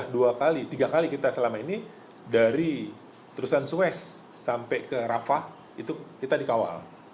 dua kali tiga kali kita selama ini dari terusan suez sampai ke rafah itu kita dikawal